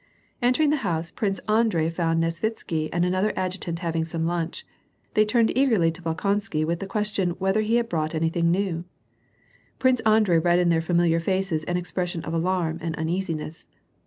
Entering the house. Prince Andrei found Nesvitsky and another adjutant having some lunch. They turned eagerly to Bolkonsky, with the question whether he had brought anything new ? Prince Andrei read in their familiar faces an expression of alarm and uneasiness.